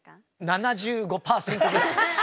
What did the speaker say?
７５％ぐらい。